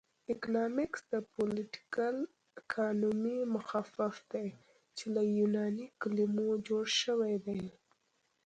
اکنامکس د پولیټیکل اکانومي مخفف دی چې له یوناني کلمو جوړ شوی دی